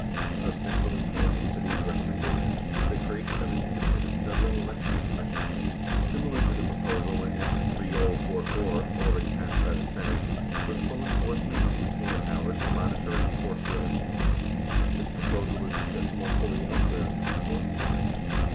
Of central im portance to these recommendations is the creation of an independent Federal Elections Commission, similar to the proposal in S. 3044 already passed by the Senate, with full enforcement and subpena powers to monitor and enforce the election laws. This proposal is dis cussed more fully elsewhere in this report.